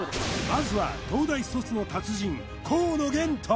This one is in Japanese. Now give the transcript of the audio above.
まずは東大卒の達人河野玄斗